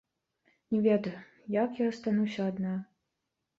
Не ведаю, як я астануся адна.